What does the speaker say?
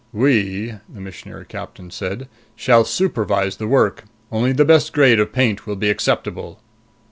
"We," the Missionary Captain said, "shall supervise the work. Only the best grade of paint will be acceptable!"